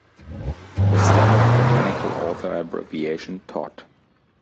The standard botanical author abbreviation Tod.